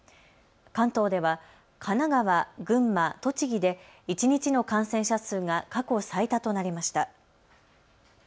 関東では神奈川、群馬、栃木で一日の感染者数が過去最多となりました。